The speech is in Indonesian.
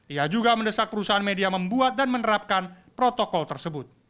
ia juga mendesak perusahaan media membuat dan menerapkan protokol tersebut